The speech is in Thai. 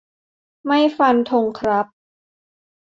ไม่ฟันธงครับ